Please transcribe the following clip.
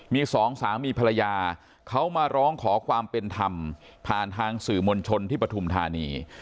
มีสองสามีภรรยาเขามาร้องขอความเป็นธรรมผ่านทางสื่อมวลชนที่ปฐุมธานี